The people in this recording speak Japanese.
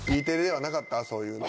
そういうの。